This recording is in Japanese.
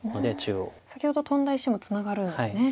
先ほどトンだ石もツナがるんですね。